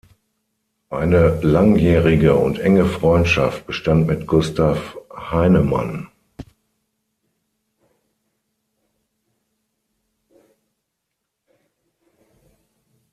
Eine langjährige und enge Freundschaft bestand mit Gustav Heinemann.